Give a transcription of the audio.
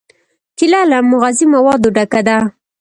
کېله له مغذي موادو ډکه ده.